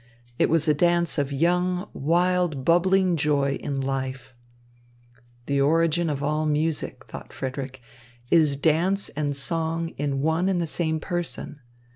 It was a dance of young, wild, bubbling joy in life. "The origin of all music," thought Frederick, "is dance and song in one and the same person.